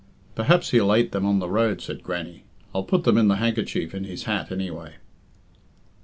"Perhaps he'll ate them on the road," said Grannie. "I'll put them in the hankerchief in his hat anyway."